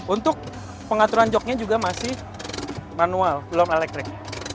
untuk pengaturan jognya juga masih manual belum elektrik